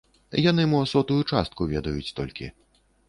Яны мо сотую частку ведаюць толькі.